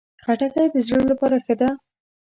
خټکی د زړه لپاره ښه ده.